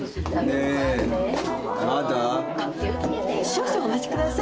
少々お待ちください。